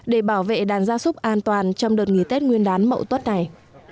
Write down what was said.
để bảo vệ đàn gia súc an toàn trong đợt nghỉ tết nguyên đán mậu tuất này